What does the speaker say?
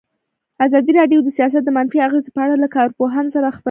ازادي راډیو د سیاست د منفي اغېزو په اړه له کارپوهانو سره خبرې کړي.